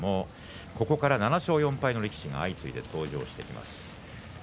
ここから７勝４敗の力士が相次いで登場します。